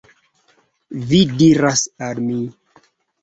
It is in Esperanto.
Vi diras al mi